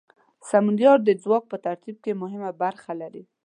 سمونیار د ځواک په ترتیب کې مهمه برخه لري.